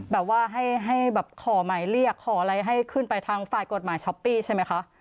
แบบว่าให้แบบขอหมายเรียกขออะไรให้ขึ้นไปทางฝ่ายกฎหมายช้อปปี้ใช่ไหมคะ